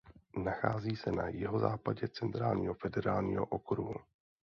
Nachází se na jihozápadě Centrálního federálního okruhu.